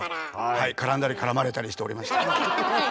はい絡んだり絡まれたりしておりました。